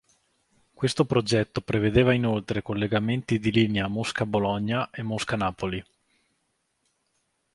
Questo progetto prevedeva inoltre collegamenti di linea Mosca-Bologna e Mosca-Napoli.